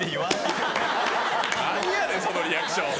何やねんそのリアクション。